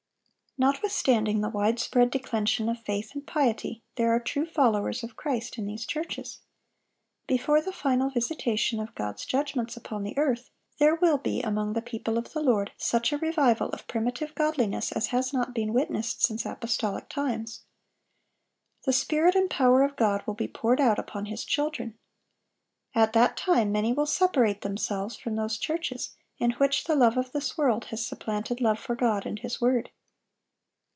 Notwithstanding the wide spread declension of faith and piety, there are true followers of Christ in these churches. Before the final visitation of God's judgments upon the earth, there will be, among the people of the Lord, such a revival of primitive godliness as has not been witnessed since apostolic times. The Spirit and power of God will be poured out upon His children. At that time many will separate themselves from those churches in which the love of this world has supplanted love for God and His word.